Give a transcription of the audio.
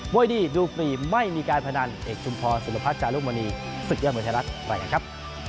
มวยดีดูฟรีไม่มีการพนันเอกชุมพอศิลปัชจารุมณีศึกยอดเมืองธรรมไปกันครับ